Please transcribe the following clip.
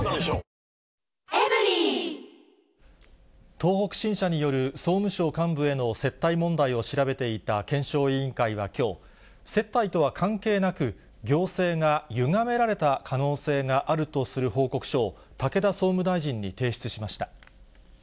東北新社による総務省幹部への接待問題を調べていた検証委員会はきょう、接待とは関係なく、行政がゆがめられた可能性があるとする報告書を、武田総務大臣に提出しました。